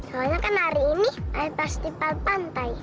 soalnya kan hari ini air pasti pada pantai